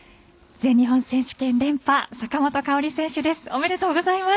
全日本選手権連覇坂本花織選手です。